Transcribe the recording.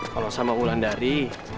kalau sama wulandari